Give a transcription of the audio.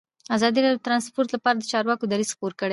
ازادي راډیو د ترانسپورټ لپاره د چارواکو دریځ خپور کړی.